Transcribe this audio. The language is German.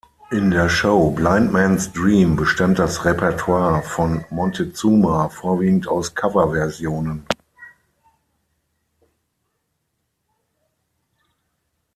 In der Show "Blind Man’s Dream" bestand das Repertoire von Montezuma vorwiegend aus Coverversionen.